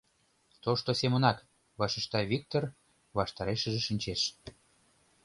— Тошто семынак! — вашешта Виктыр, ваштарешыже шинчеш.